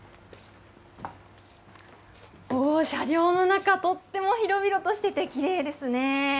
おー、車両の中、とっても広々としていて、きれいですね。